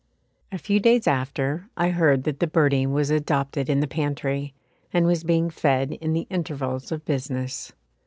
A few days after I heard that the birdie was adopted in the pantry, and was being fed "in the intervals of business."